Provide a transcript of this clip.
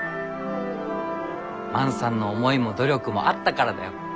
万さんの思いも努力もあったからだよ。